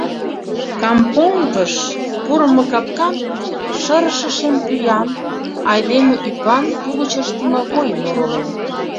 Кампонгыш пурымо капкам шырыше шем пӱян, айдеме ӱпан, пу гыч ыштыме воин оролен.